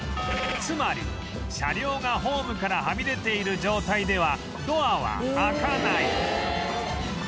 つまり車両がホームからはみ出ている状態ではドアは開かない